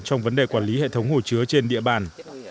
trong vấn đề quản lý hệ thống hồ chứa trên địa bàn